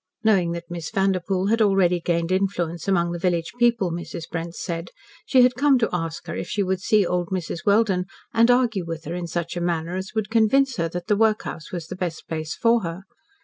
Knowing that Miss Vanderpoel had already gained influence among the village people, Mrs. Brent said, she had come to ask her if she would see old Mrs. Welden and argue with her in such a manner as would convince her that the workhouse was the best place for her.